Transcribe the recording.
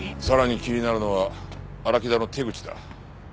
さらに気になるのは荒木田の手口だ。